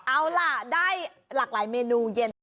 เอาล่ะได้หลากหลายเมนูเย็น